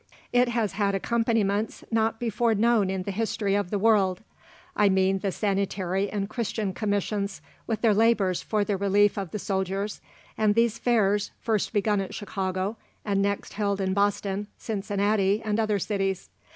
It has had accompaniments not before known in the history of the world I mean the Sanitary and Christian Commissions with their labours for the relief of the soldiers, and these fairs, first begun at Chicago, and next held in Boston, Cincinnati, and other cities.